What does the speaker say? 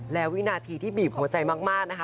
และวินาทีที่บีบหัวใจมากนะคะ